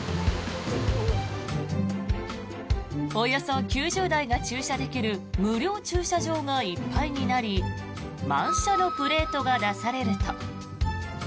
およそ９０台が駐車できる無料駐車場がいっぱいになり満車のプレートが出されると。